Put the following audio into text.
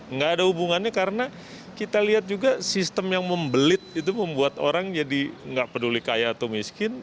nggak ada hubungannya karena kita lihat juga sistem yang membelit itu membuat orang jadi nggak peduli kaya atau miskin